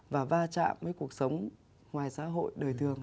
và va chạm với cuộc sống ngoài xã hội đời thường